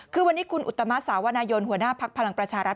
คือวันนี้คุณอุตมะสาวนายนหัวหน้าพักพลังประชารัฐ